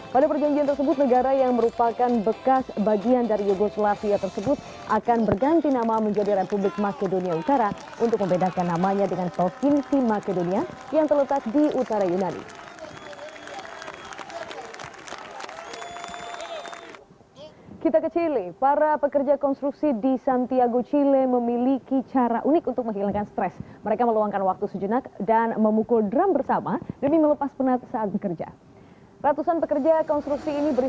pada perjanjian tersebut negara yang merupakan bekas bagian dari yugoslavia tersebut akan berganti nama menjadi republik makedonia utara untuk membedakan namanya dengan tokimsi makedonia yang terletak di utara yunani